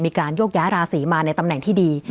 มีการโยกย้ายราศีมาในตำแหน่งที่ดี